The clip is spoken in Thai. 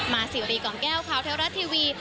มาสิริกล่องแก้วคาวเทวรัฐทีวี